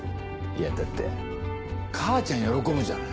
いやだって母ちゃん喜ぶじゃない？